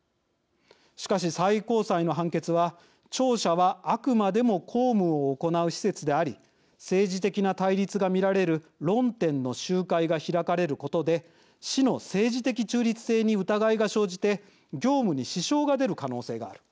しかし、最高裁の判決は庁舎はあくまでも公務を行う施設であり政治的な対立が見られる論点の集会が開かれることで市の政治的中立性に疑いが生じて業務に支障が出る可能性がある。